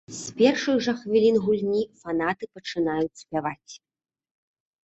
З першых жа хвілін гульні фанаты пачынаюць спяваць.